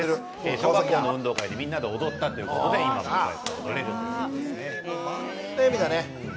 小学校の運動会でみんな踊ったということで今でも踊れるということです。